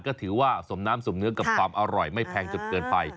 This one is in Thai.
ก็ถือว่าสมน้ำสมเนื้อกับความอร่อยไม่แพงจนเกินไป